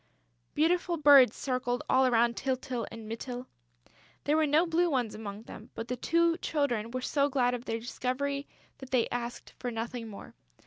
Beautiful birds circled all round Tyltyl and Mytyl. There were no blue ones among them, but the two Children were so glad of their discovery that they asked for nothing more.